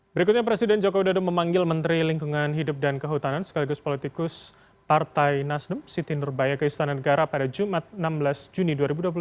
berikutnya presiden jokowi dodo memanggil menteri lingkungan hidup dan kehutanan sekaligus politikus partai nasdem siti nurbaya ke istana negara pada jumat enam belas juni dua ribu dua puluh